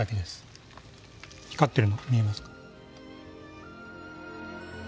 光ってるの見えますか？